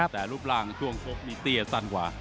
แต่รูปร่างช่วงชกนี่เตี้ยสั้นกว่า